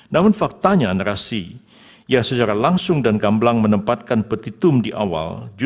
namun faktanya narasi yang secara langsung dan gamblang menempatkan petitum di awal